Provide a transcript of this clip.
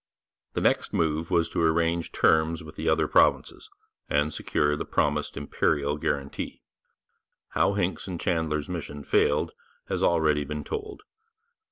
The next move was to arrange terms with the other provinces and secure the promised Imperial guarantee. How Hincks and Chandler's mission failed has already been told.